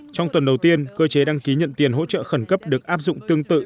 trong tuần đầu tiên cơ chế đăng ký nhận tiền hỗ trợ khẩn cấp được áp dụng tương tự